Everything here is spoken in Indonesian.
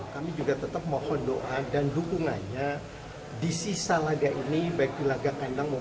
kami juga tetap mohon doa dan dukungannya di sisa laga ini baik di laga kandang